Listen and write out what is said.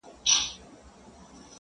• چاته وايی سخاوت دي یزداني دی,